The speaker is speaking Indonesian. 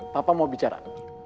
papa mau bicara